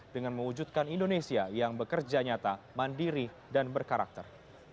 dengan mewujudkan indonesia yang bekerja nyata mandiri dan berkarakter